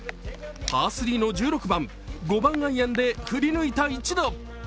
パー３の１６番５番アイアンで振り抜いた一打。